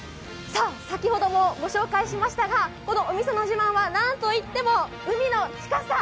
先ほども御紹介しましたが、このお店の自慢は何といっても海の近さ。